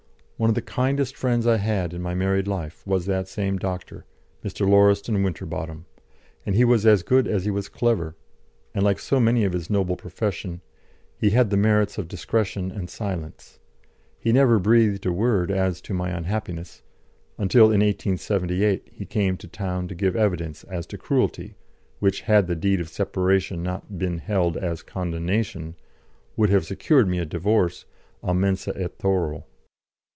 One of the kindest friends I had in my married life was that same doctor, Mr. Lauriston Winterbotham; he was as good as he was clever, and, like so many of his noble profession, he had the merits of discretion and silence. He never breathed a word as to my unhappiness, until in 1878 he came up to town to give evidence as to cruelty which had the deed of separation not been held as condonation would have secured me a divorce _a mensa et thoro.